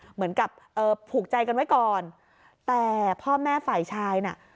เหมือนกับเอ่อผูกใจกันไว้ก่อนแต่พ่อแม่ฝ่ายชายน่ะ